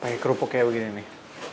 kayak kerupuk kayak begini nih